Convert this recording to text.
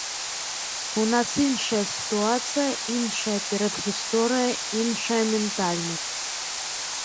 У нас іншая сітуацыя, іншая перадгісторыя, іншая ментальнасць.